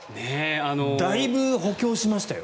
だいぶ補強しましたよ。